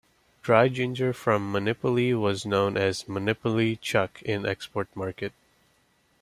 Dry ginger from Monippally was known as 'monippally chukk' in export market.